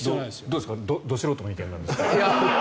どうですかど素人の意見なんですが。